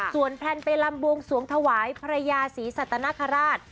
ส่วนแพลนไปลำบวงสวงถวายพระยาศรีสัตนคราช